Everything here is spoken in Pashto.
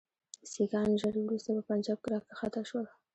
سیکهان ژر وروسته په پنجاب کې را کښته شول.